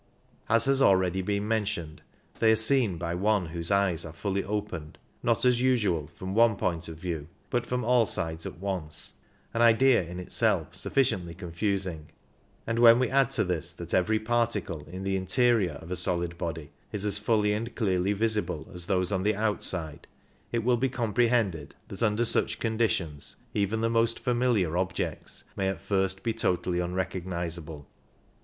As has already been mentioned, they are seen by one whose eyes are fully opened, not as usual from one point of view, but from all sides at once — an idea in itself sufficiently confusing ; and when we add to this that every particle in the interior of a solid body is as fully and clearly visible as those on the outside, it will be com prehended that under such conditions even the most familiar objects may at first be totally unrecognizable.